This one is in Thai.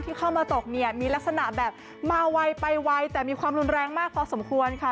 เข้ามาตกเนี่ยมีลักษณะแบบมาไวไปไวแต่มีความรุนแรงมากพอสมควรค่ะ